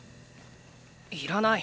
いらない。